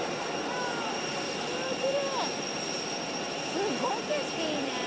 すっごい景色いいね。